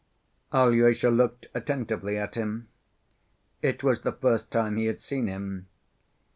Alyosha looked attentively at him. It was the first time he had seen him.